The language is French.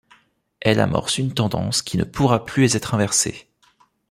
Elle amorce une tendance qui ne pourra plus être inversée.